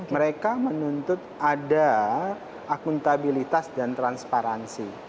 mereka menuntut ada akuntabilitas dan transparansi